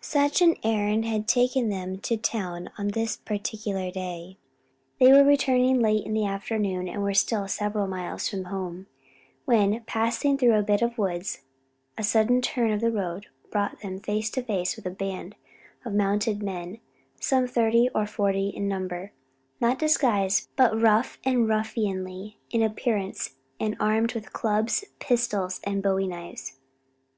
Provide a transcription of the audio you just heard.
Such an errand had taken them to the town on this particular day. They were returning late in the afternoon and were still several miles from home, when, passing through a bit of woods, a sudden turn of the road brought them face to face with a band of mounted men, some thirty or forty in number, not disguised but rough and ruffianly in appearance and armed with clubs, pistols and bowie knives.